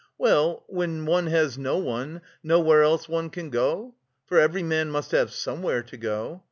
"Well, when one has no one, nowhere else one can go! For every man must have somewhere to go.